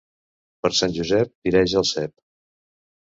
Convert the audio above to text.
Per Sant Josep tireja el cep.